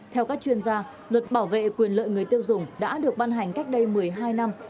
theo các chuyên gia luật bảo vệ quyền lợi người tiêu dùng đã được ban hành cách đây một mươi hai năm